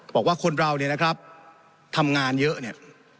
บอกว่าคนเราเนี่ยนะครับทำงานเยอะเนี่ย